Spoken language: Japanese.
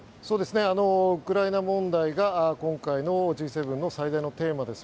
ウクライナ問題が今回のＧ７の最大のテーマです。